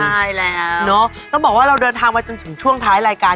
ใช่แล้วเนอะต้องบอกว่าเราเดินทางมาจนถึงช่วงท้ายรายการ